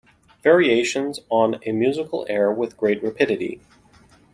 Variations on a musical air With great rapidity.